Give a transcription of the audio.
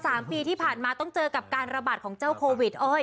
สามปีที่ผ่านมาต้องเจอกับการระบาดของเจ้าโควิดเอ้ย